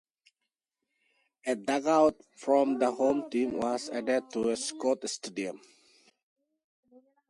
A dugout for the home team was added to Schott Stadium.